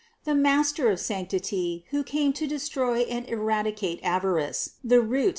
The Master of sanctity, who came to de stroy and eradicate avarice (I Tim.